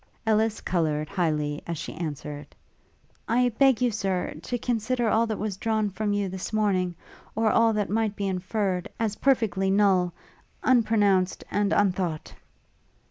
Ellis coloured highly as she answered, 'I beg you, Sir, to consider all that was drawn from you this morning, or all that might be inferred, as perfectly null unpronounced and unthought.'